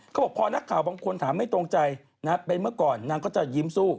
เขาบอกพอนักข่าวบางคนถามไม่ตรงใจนะเป็นเมื่อก่อนนางก็จะยิ้มสู้